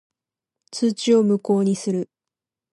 通知を無効にする。